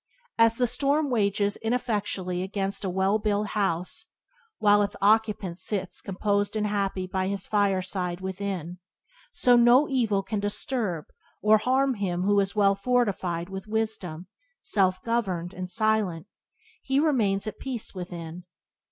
As the storm rages ineffectually against a well built house, while its occupant sits composed and happy by his fire side within, so no evil without can disturb or harm him who is well fortified with wisdom; self governed and silent, he remains at peace within.